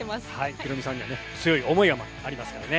ヒロミさんにはね、強い想いがありますからね。